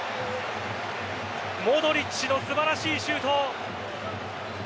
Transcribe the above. モドリッチの素晴らしいシュート。